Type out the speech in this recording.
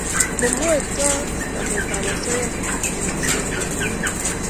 Ngemwaita nametab osoya kochuchukoksei eng emet